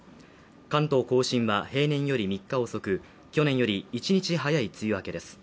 関東甲信は平年より３日遅く、去年より１日早い梅雨明けです。